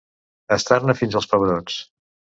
Estar-ne fins als pebrots.